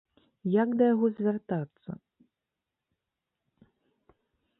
Як да яго звяртацца?